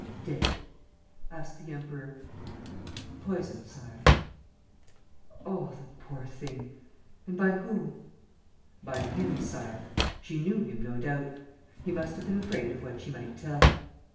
"Dead?" asked the Emperor. "Poisoned, Sire." "Oh, the poor thing! ... And by whom?" "By 'him,' Sire. She knew him, no doubt. He must have been afraid of what she might tell."